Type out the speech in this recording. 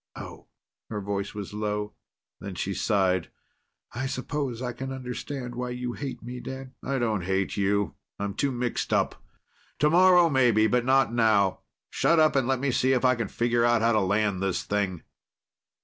"Oh." Her voice was low. Then she sighed. "I suppose I can understand why you hate me, Dan." "I don't hate you. I'm too mixed up. Tomorrow maybe, but not now. Shut up and let me see if I can figure out how to land this thing."